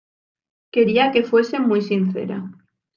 Quería que fuese muy sincera.